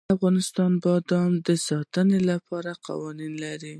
افغانستان د بادام د ساتنې لپاره قوانین لري.